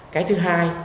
cái thứ hai